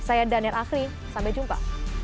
saya daniel afri sampai jumpa